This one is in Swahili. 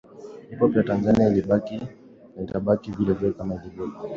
Hip Hop ya Tanzania ilibaki na itabaki vile vile kama ilivyo